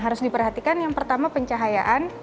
harus diperhatikan yang pertama pencahayaan